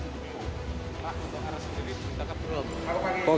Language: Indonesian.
pak untuk arah sendiri kita ke perum